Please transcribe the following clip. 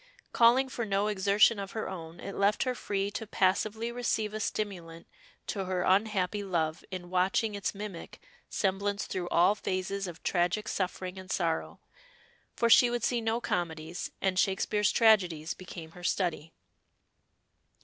Calling for no exertion of her own, it left her free to passively receive a stimulant to her unhappy love in watching its mimic semblance through all phases of tragic suffering and sorrow, for she would see no comedies, and Shakespeare's tragedies became her study.